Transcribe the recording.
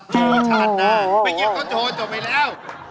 เมื่อกี้ก็โจทย์ไปแล้ว